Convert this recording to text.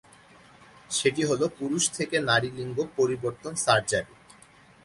সেটি হল পুরুষ থেকে নারী লিঙ্গ পরিবর্তন সার্জারি।